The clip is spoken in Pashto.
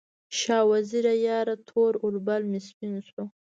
شاه وزیره یاره، تور اوربل مې سپین شو